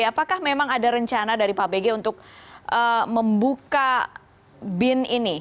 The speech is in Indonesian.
apakah memang ada rencana dari pak bg untuk membuka bin ini